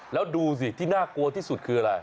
แล้วดูสิที่น่ากลัวที่สุดคืออะไร